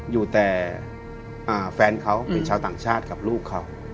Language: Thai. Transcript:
อยู่แต่แฟนเขาเป็นชาวต่างชาติกับลูกเขา